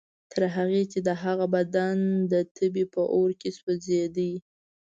تر هغې چې د هغه بدن د تبې په اور کې سوځېده.